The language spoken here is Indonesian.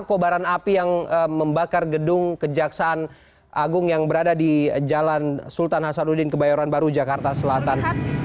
kobaran api yang membakar gedung kejaksaan agung yang berada di jalan sultan hasanuddin kebayoran baru jakarta selatan